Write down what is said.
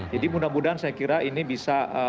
jadi mudah mudahan saya kira ini bisa